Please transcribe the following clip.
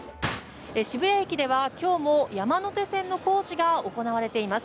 渋谷駅では今日も山手線の工事が行われています。